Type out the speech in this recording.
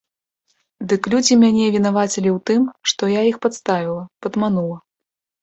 Дык людзі мяне вінавацілі ў тым, што я іх падставіла, падманула.